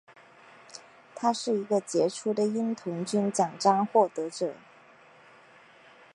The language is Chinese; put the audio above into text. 他是一个杰出的鹰童军奖章获得者。